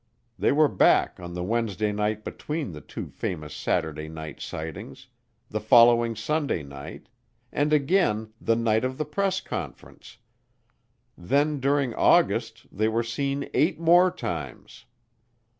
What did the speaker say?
They were back on the Wednesday night between the two famous Saturday night sightings, the following Sunday night, and again the night of the press conference; then during August they were seen eight more times.